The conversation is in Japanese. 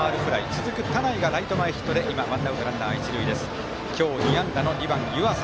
続く田内がライト前ヒットで今、ワンアウト、ランナー、一塁今日２安打の２番、湯淺。